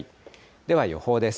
では予報です。